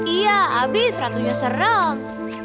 iya abis ratunya serem